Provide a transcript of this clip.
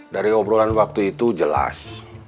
dari obrolan waktu itu jelas